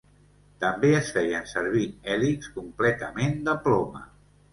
També es feien servir hèlixs completament de ploma.